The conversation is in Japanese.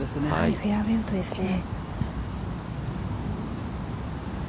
フェアウエーウッドですね。